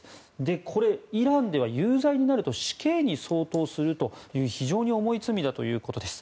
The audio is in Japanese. これ、イランでは有罪になると死刑に相当するという非常に重い罪だということです。